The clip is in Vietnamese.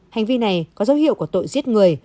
hành vi này có dấu hiệu của tội giết người